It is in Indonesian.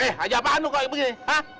eh aja apaan lo kok begini hah